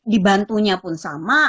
dibantunya pun sama